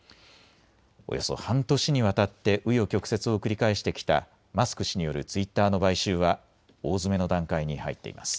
およそ半年にわたってう余曲折を繰り返してきたマスク氏によるツイッターの買収は大詰めの段階に入っています。